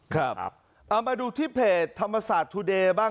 ครับเอามาดูที่เพจธรรมศาสตร์ทุเดย์บ้าง